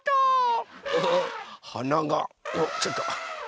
はながあちょっと。